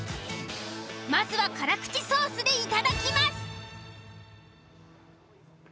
まずは辛口ソースでいただきます。